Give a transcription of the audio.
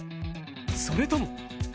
それとも。